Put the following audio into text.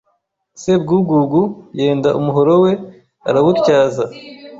Sebwugugu yenda umuhoro we arawutyaza